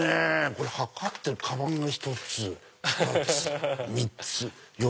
これ測ってカバンが１つ２つ３つ４つ。